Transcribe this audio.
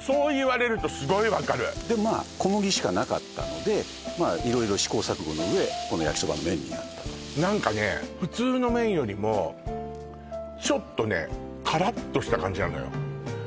そう言われるとすごい分かるでまあ小麦しかなかったので色々試行錯誤の上この焼きそばの麺になったと何かね普通の麺よりもちょっとねカラッとした感じなのよ